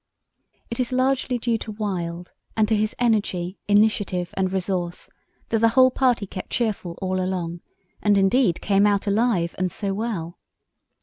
It is largely due to Wild, and to his energy, initiative, and resource, that the whole party kept cheerful all along, and, indeed, came out alive and so well.